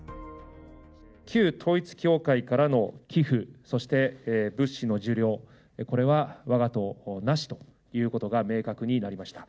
旧統一教会からの寄付、そして物資の受領、これはわが党、なしということが明確になりました。